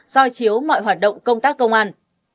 giới thiệu mọi hoạt động công tác công an